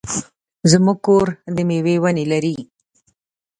زمونږ کور د مېوې ونې لري.